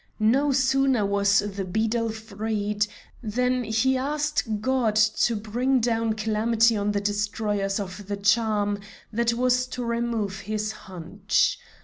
No sooner was the beadle freed than he asked God to bring down calamity on the destroyers of the charm that was to remove his hunch.